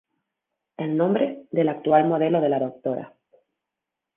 El nombre del actual modelo de la Dra.